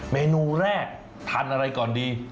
เมนูแรกทานอะไรก่อนดี